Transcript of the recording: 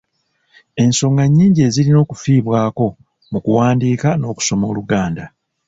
Ensonga nnyingi ezirina okufiibwako mu kuwandiika n'okusoma Oluganda.